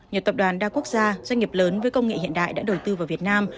nhiều tập đoàn đa quốc gia doanh nghiệp lớn với công nghệ hiện đại đã đầu tư vào việt nam